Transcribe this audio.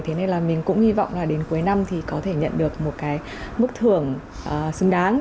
thế nên là mình cũng hy vọng là đến cuối năm thì có thể nhận được một cái mức thưởng xứng đáng